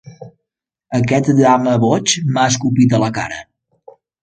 Aquest llama boig m'ha escopit a la cara.